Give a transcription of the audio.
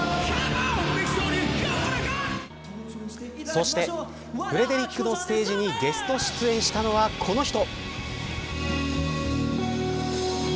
そしてフレデリックのステージにゲスト出演したのはこの人。